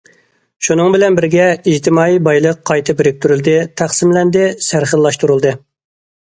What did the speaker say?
شۇنىڭ بىلەن بىرگە ئىجتىمائىي بايلىق قايتا بىرىكتۈرۈلدى، تەقسىملەندى، سەرخىللاشتۇرۇلدى.